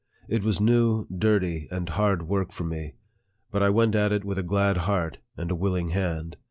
It was new, dirty, and hard work for me ; but I went at it with a glad heart and a willing hand.